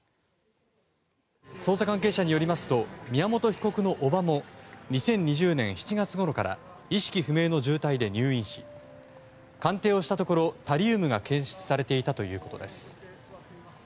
捜査関係者によりますと宮本被告の叔母も２０２０年７月ごろから意識不明の重体で入院し鑑定をしたところ、タリウムが検出されていたということです。